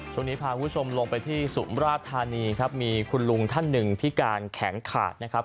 ช่วงนี้พาคุณผู้ชมลงไปที่สุมราชธานีครับมีคุณลุงท่านหนึ่งพิการแขนขาดนะครับ